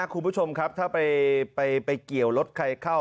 คุณผู้ชมครับถ้าไปเกี่ยวรถใครเข้า